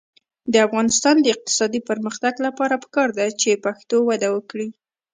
د افغانستان د اقتصادي پرمختګ لپاره پکار ده چې پښتو وده وکړي.